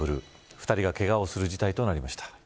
２人がけがをする事態となりました。